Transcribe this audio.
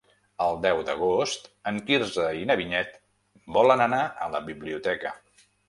El deu d'agost en Quirze i na Vinyet volen anar a la biblioteca.